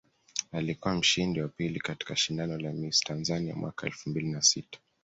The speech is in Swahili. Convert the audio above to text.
Alikuwa mshindi wa pili katika shindano la Miss Tanzania mwaka elfu mbili na sita